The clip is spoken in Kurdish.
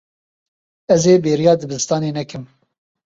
Ez ê bêriya dibistanê nekim.